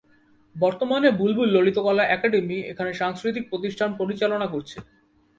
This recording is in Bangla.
বর্তমানে বুলবুল ললিতকলা একাডেমি এখানে সাংস্কৃতিক প্রতিষ্ঠান পরিচালনা করছে।